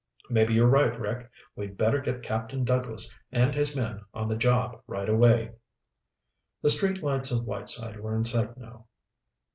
Maybe you're right, Rick. We'd better get Captain Douglas and his men on the job right away!" The street lights of Whiteside were in sight now.